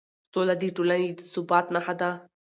سوله د ټولنې د ثبات نښه ده